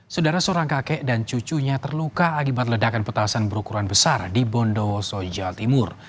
saudara seorang kakek dan cucunya terluka akibat ledakan petasan berukuran besar di bondowoso jawa timur